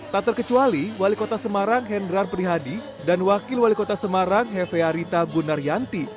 tak terkecuali wali kota semarang hendran prihadi dan wakil wali kota semarang hefearita gunaryanti